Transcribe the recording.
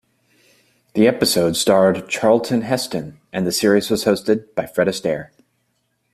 The episode starred Charlton Heston and the series was hosted by Fred Astaire.